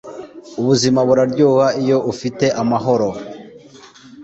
ubuzima bararyoha uyo ufite amahoro